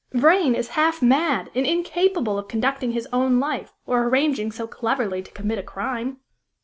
"Vrain is half mad and incapable of conducting his own life, or arranging so cleverly to commit a crime.